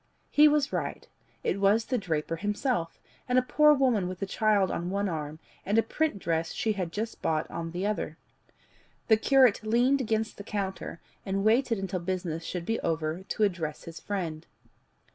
He was right; it was the draper himself, and a poor woman with a child on one arm, and a print dress she had just bought on the other. The curate leaned against the counter, and waited until business should be over to address his friend.